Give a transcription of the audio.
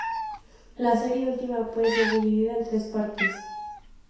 La serie Ultima puede ser dividida en tres partes.